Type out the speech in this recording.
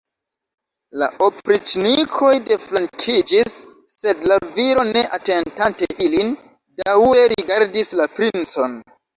La opriĉnikoj deflankiĝis, sed la viro, ne atentante ilin, daŭre rigardis la princon.